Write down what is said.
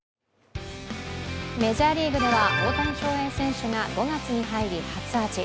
メジャーリーグでは大谷翔平選手が５月に入り初アーチ。